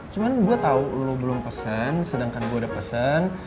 cuma gue tau lu belum pesen sedangkan gue udah pesen